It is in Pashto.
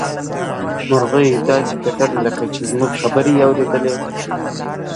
مرغۍ داسې کتل لکه چې زموږ خبرې يې اوريدلې.